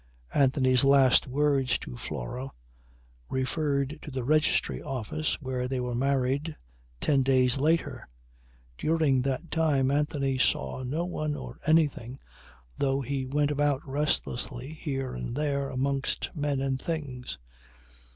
Anthony's last words to Flora referred to the registry office where they were married ten days later. During that time Anthony saw no one or anything, though he went about restlessly, here and there, amongst men and things.